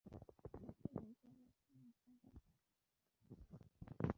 Linyi, চলো, নাচা যাক!